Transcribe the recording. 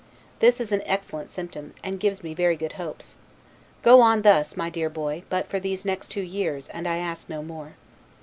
This is an excellent symptom, and gives me very good hopes. Go on thus, my dear boy, but for these next two years, and I ask no more.